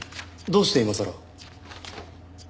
どうして今さら？